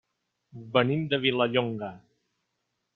Venim de Vilallonga.